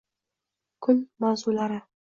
Kun mazulari